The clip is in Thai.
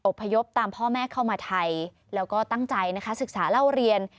พยพตามพ่อแม่เข้ามาไทยแล้วก็ตั้งใจนะคะศึกษาเล่าเรียน